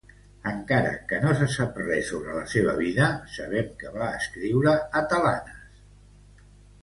Encara que no se sap res sobre la seva vida, sabem que va escriure atel·lanes.